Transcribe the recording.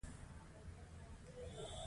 دوی ټول یو له بل سره مرسته او همکاري کوي.